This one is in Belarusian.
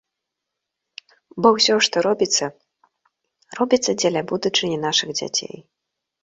Бо ўсё, што робіцца, робіцца дзеля будучыні нашых дзяцей.